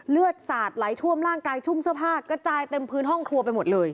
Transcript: เลือดสาดไหลท่วมร่างกายชุ่มเสื้อผ้ากระจายเต็มพื้นห้องครัวไปหมดเลย